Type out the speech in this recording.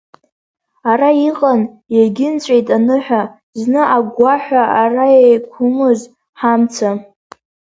Ара иҟан, иагьынҵәеит аныҳәа, зны агәгәаҳәа ара еиқәымыз ҳамца.